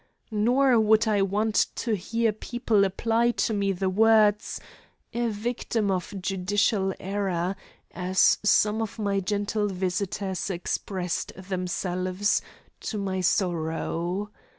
Nor would I want to hear people apply to me the words, "a victim of judicial error," as some of my gentle visitors expressed themselves, to my sorrow.